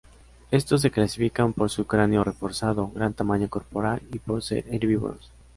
Estos se clasifican por su cráneo reforzado, gran tamaño corporal y por se herbívoros.